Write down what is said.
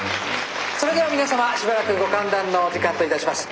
それでは皆様しばらくご歓談のお時間といたします。